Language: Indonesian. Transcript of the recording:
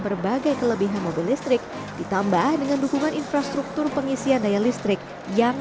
berbagai kelebihan mobil listrik ditambah dengan dukungan infrastruktur pengisian daya listrik yang